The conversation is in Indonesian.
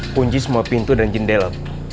kunci semua pintu dan jendela